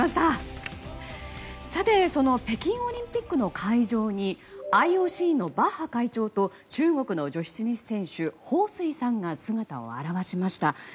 さてその北京オリンピックの会場にＩＯＣのバッハ会長と中国の女子選手ホウ・スイさんが姿を現しました。